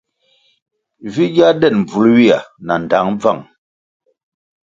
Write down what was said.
Vi gya den bvul ywia na ndtang bvang,